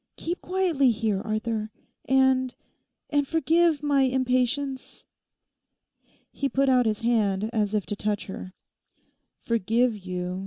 Keep quietly here, Arthur. And—and forgive my impatience.' He put out his hand as if to touch her. 'Forgive you!